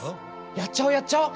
やっちゃおうやっちゃおう！